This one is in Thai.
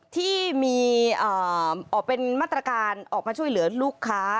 ที่มีออกเป็นมาตรการออกมาช่วยเหลือลูกค้า